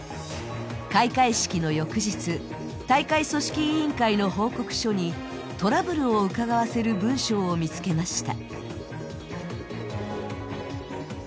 開会式の翌日、大会組織委員会の報告書にトラブルをうかがわせる文章を見つけました。